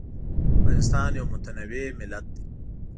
افغانستان یو متنوع ملت دی.